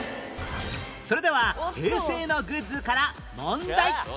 それでは平成のグッズから問題